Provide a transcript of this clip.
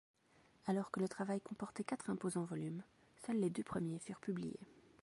Alors que le travail comportait quatre imposants volumes, seuls les deux premiers furent publiés.